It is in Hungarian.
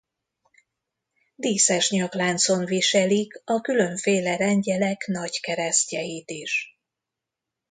Díszes nyakláncon viselik a különféle rendjelek nagykeresztjeit is.